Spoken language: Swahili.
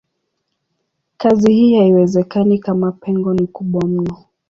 Kazi hii haiwezekani kama pengo ni kubwa mno.